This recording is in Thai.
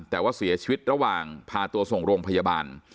แต่ว่าเสียชีวิตระหว่างพาตัวส่งโรงพยาบาล